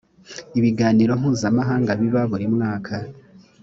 ibiganiro mpuzamahanga biba burimwaka.